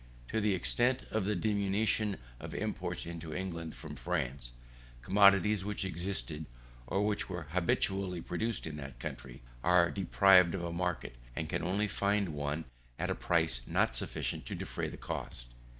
To the extent of the diminution of imports into England from France, commodities which existed or which were habitually produced in that country are deprived of a market, or can only find one at a price not sufficient to defray the cost.